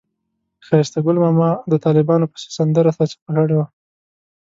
ښایسته ګل ماما د طالبانو پسې سندره سرچپه کړې وه.